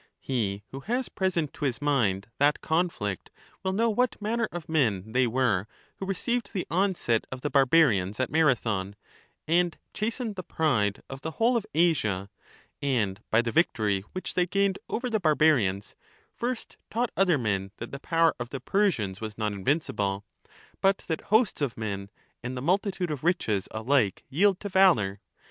He who has present to his mind that conflict will know what manner of men they were who received the onset of the barbarians at Marathon, and chastened the pride of the whole of Asia, and by the victory which they gained over the barbarians first taught other men that the power of the Persians was not invincible, but that hosts of men and the multitude of riches alike yield to valour.